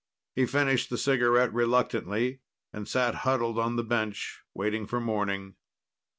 He finished the cigarette reluctantly and sat huddled on the bench, waiting for morning.